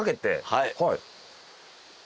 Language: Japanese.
はい。